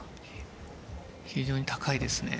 非常に高いですね。